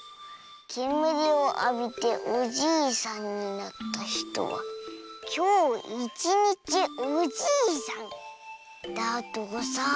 けむりをあびておじいさんになったひとはきょういちにちおじいさん」だとさ。